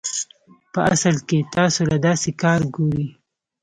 پۀ اصل کښې تاسو له داسې کار ګوري